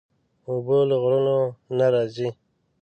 اوبه له غرونو نه راځي.